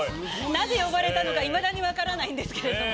なぜ呼ばれたのかいまだに分からないんですけども。